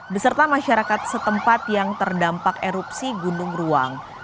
beserta masyarakat setempat yang terdampak erupsi gunung ruang